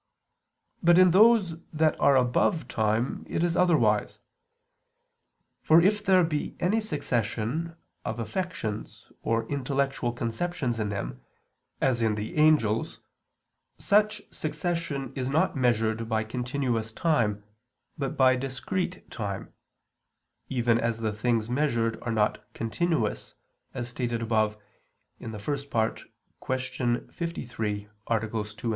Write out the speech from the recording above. But in those that are above time, it is otherwise. For if there be any succession of affections or intellectual conceptions in them (as in the angels), such succession is not measured by continuous time, but by discrete time, even as the things measured are not continuous, as stated above (I, Q. 53, AA. 2, 3).